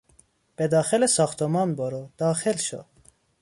به داخل ساختمان برو! داخل شو!